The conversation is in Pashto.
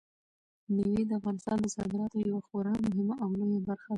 مېوې د افغانستان د صادراتو یوه خورا مهمه او لویه برخه ده.